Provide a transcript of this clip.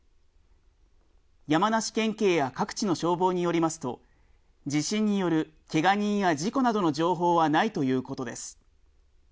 山梨県警や各地の消防によりますと、地震によるけが人や事故などの情報はないということです。